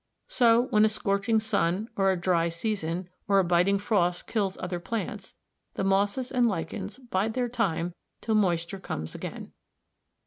So when a scorching sun, or a dry season, or a biting frost kills other plants, the mosses and lichens bide their time till moisture comes again.